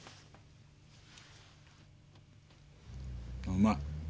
うまい。